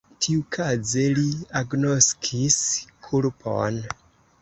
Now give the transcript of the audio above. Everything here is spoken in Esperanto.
Tiukaze li agnoskis kulpon.